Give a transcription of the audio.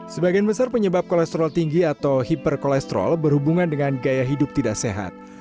sebagian besar penyebab kolesterol tinggi atau hiperkolesterol berhubungan dengan gaya hidup tidak sehat